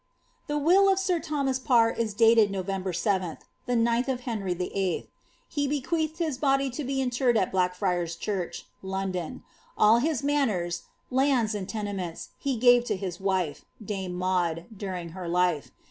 The will of sir Thomas Parr is dated November 7th, the 9lh of Henry Tni. He bequeathed his body to be interred in Bliickfriar's church. 12 KATHARINE FARR. London. All his manors, lands, and tenements, he gave to his wife* dame Maud, during her life.